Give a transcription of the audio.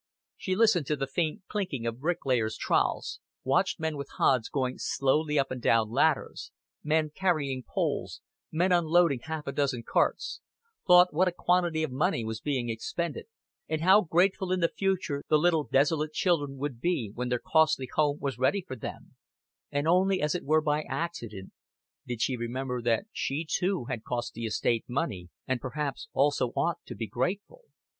She listened to the faint clinking of bricklayers' trowels, watched men with hods going slowly up and down ladders, men carrying poles, men unloading half a dozen carts; thought what a quantity of money was being expended, and how grateful in the future the little desolate children would be when their costly home was ready for them; and only as it were by accident did she remember that she too had cost the estate money, and perhaps also ought to be grateful.